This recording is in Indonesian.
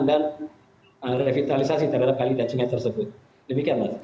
dan revitalisasi terhadap kali dan sungai tersebut demikian mas